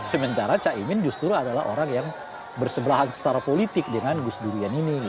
sementara pak emia imin justru adalah orang yang berseberahan secara politik dengan gus durian ini